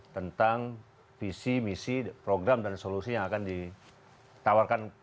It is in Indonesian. tentang visi misi program dan solusi yang akan ditawarkan